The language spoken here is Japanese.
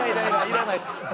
いらないです。